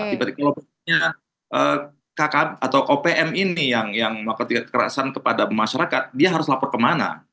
tiba tiba kakak atau opm ini yang melakukan kekerasan kepada masyarakat dia harus lapor kemana